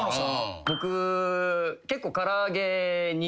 僕結構。